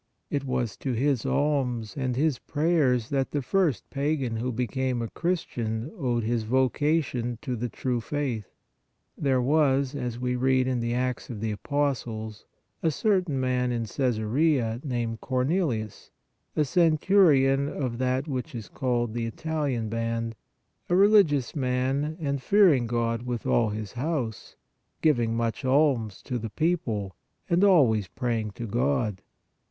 It was to his alms and his prayers that the first pagan who became a Christian owed his vocation to the true faith. " There was," we read in the Acts of the Apostles, " a certain man in Csesarea, named Cornelius, a cen turion of that which is called the Italian band; a religious man and fearing God with all his house, giving much alms to the people, and always praying to God.